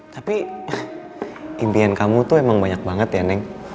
tapi impian kamu tuh emang banyak banget ya neng